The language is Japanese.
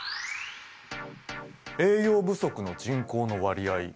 栄養不足の人口の割合。